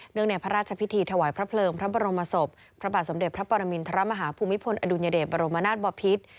ในพระราชพิธีถวายพระเพลิงพระบรมศพพระบาทสมเด็จพระปรมินทรมาฮาภูมิพลอดุญเดชบรมนาศบพิษ